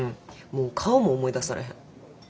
もう顔も思い出されへん。